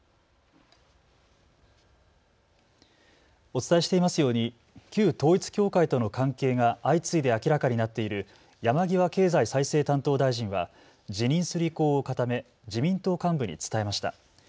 お伝えしていますように旧統一教会との関係が相次いで明らかになっている山際経済再生担当大臣は辞任する意向を固め自民党幹部に伝えました。